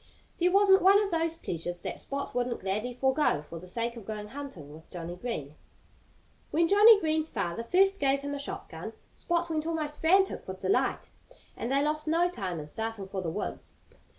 There wasn't one of those pleasures that Spot wouldn't gladly forgo for the sake of going hunting with Johnnie Green. When Johnnie Green's father first gave him a shotgun Spot went almost frantic with delight. And they lost no time in starting for the woods.